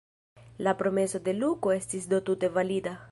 La promeso de Luko estis do tute valida.